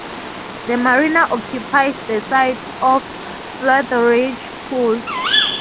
The marina occupies the site of Flatheridge pool.